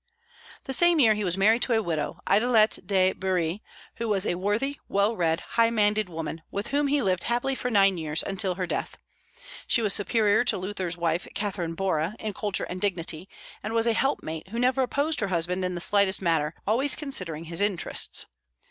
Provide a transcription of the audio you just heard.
The same year he was married to a widow, Idelette de Burie, who was a worthy, well read, high minded woman, with whom he lived happily for nine years, until her death. She was superior to Luther's wife, Catherine Bora, in culture and dignity, and was a helpmate who never opposed her husband in the slightest matter, always considering his interests.